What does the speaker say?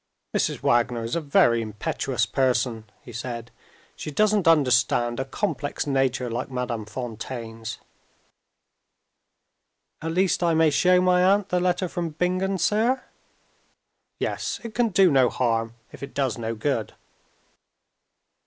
"Mrs. Wagner is a very impetuous person," he said. "She doesn't understand a complex nature like Madame Fontaine's." "At least I may show my aunt the letter from Bingen, sir?" "Yes. It can do no harm, if it does no good."